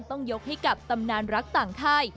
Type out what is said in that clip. ต้องยกให้กับตำนานรักต่างค่าย